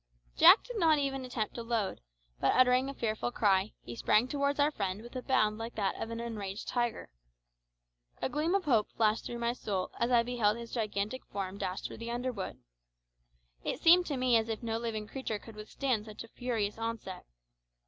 Jack did not even attempt to load, but uttering a fearful cry, he sprang towards our friend with a bound like that of an enraged tiger. A gleam of hope flashed through my soul as I beheld his gigantic form dash through the underwood. It seemed to me as if no living creature could withstand such a furious onset.